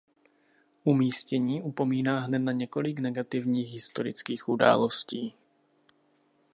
Umístění upomíná hned na několik negativních historických událostí.